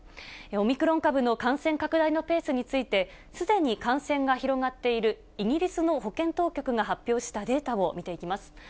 オミクロン株の感染拡大のペースについて、すでに感染が広がっているイギリスの保健当局が発表したデータを見ていきます。